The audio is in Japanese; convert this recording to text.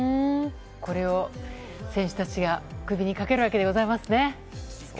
これを選手たちが首にかけるわけでございますね。